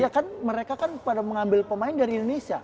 ya kan mereka kan pada mengambil pemain dari indonesia